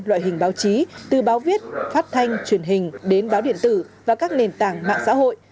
loại hình báo chí từ báo viết phát thanh truyền hình đến báo điện tử và các nền tảng mạng xã hội